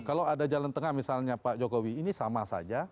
kalau ada jalan tengah misalnya pak jokowi ini sama saja